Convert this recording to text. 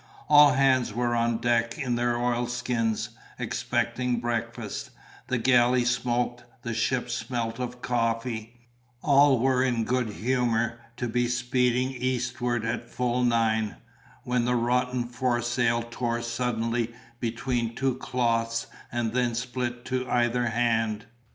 All hands were on deck in their oilskins, expecting breakfast; the galley smoked, the ship smelt of coffee, all were in good humour to be speeding eastward a full nine; when the rotten foresail tore suddenly between two cloths and then split to either hand.